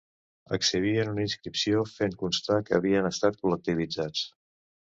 Exhibien una inscripció fent constar que havien estat col·lectivitzats